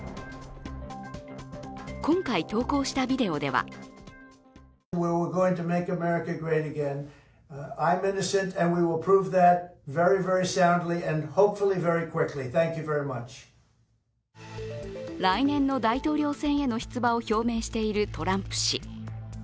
今回、投稿したビデオでは来年の大統領選への出馬を表明しているトランプ氏。